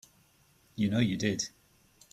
You know you did.